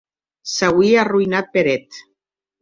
S’auie arroïnat per eth.